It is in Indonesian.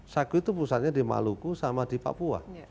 sagu itu pusatnya di maluku sama di papua